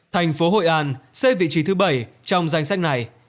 thành phố hội an xếp vị trí thứ bảy trong danh sách này